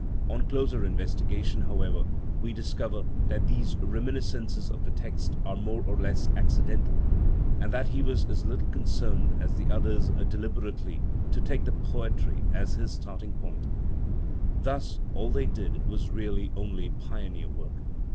On closer investigation, however, we discover that these reminiscences of the text are more or less accidental, and that lie was as little concerned as the others deliberately to take the poetry as his starting point. Thus all they did was really only pioneer work.